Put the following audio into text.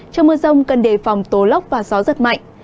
trong mưa rông cần đề phòng tố lóc và gió rất mạnh